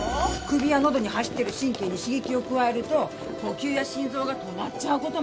首や喉に走ってる神経に刺激を加えると呼吸や心臓が止まっちゃうこともあるんですって。